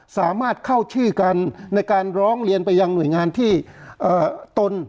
สามารถเข้าชื่อกันในการร้องเรียนไปยังหน่วยงานที่ตน